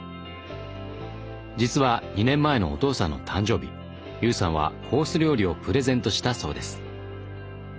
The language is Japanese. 実は２年前のお父さんの誕生日悠さんはコース料理をプレゼントしたそうです。